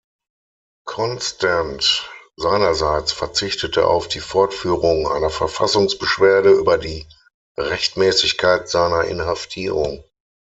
Constant seinerseits verzichtete auf die Fortführung einer Verfassungsbeschwerde über die Rechtmäßigkeit seiner Inhaftierung.